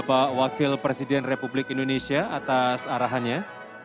terima kasih bapak wakil presiden republik indonesia atas arahannya